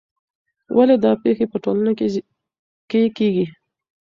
ولې دا پېښې په ټولنه کې کیږي؟